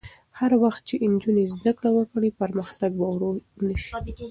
هر وخت چې نجونې زده کړه وکړي، پرمختګ به ورو نه شي.